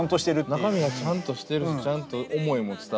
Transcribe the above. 中身がちゃんとしてるしちゃんと思いも伝わってくるし。